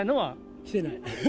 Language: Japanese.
着てない。